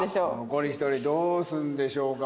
残り１人どうするんでしょうか。